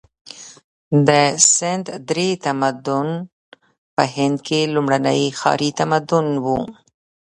د سند درې تمدن په هند کې لومړنی ښاري تمدن و.